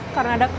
karena ada kamu